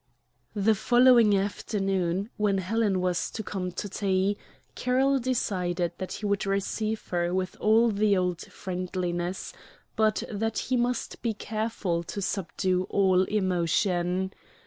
The following afternoon, when Helen was to come to tea, Carroll decided that he would receive her with all the old friendliness, but that he must be careful to subdue all emotion.